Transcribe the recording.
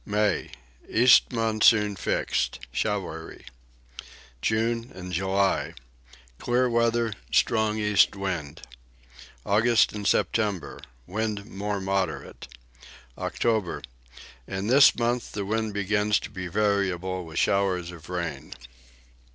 May. East monsoon fixed. Showery. June and July. Clear weather. Strong east wind. August and September. Wind more moderate. October. In this month the wind begins to be variable with showers of rain.